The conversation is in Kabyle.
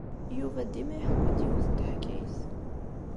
Yuba dima iḥekku-d yiwet n teḥkayt.